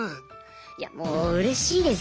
いやもううれしいですよ